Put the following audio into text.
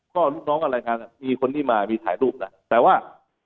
ก็ลูกน้องอะไรงานมีคนที่มามีถ่ายรูปนะแต่ว่า